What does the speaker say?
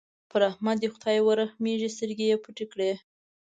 پر احمد دې خدای ورحمېږي؛ سترګې يې پټې کړې.